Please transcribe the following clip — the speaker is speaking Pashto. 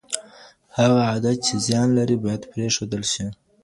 هغه عادت چې زیان لري، باید پرېښودل شي.